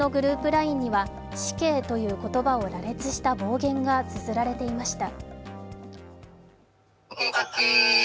ＬＩＮＥには「死刑」という言葉を羅列した暴言がつづられていました。